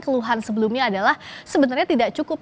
keluhan sebelumnya adalah sebenarnya tidak cukup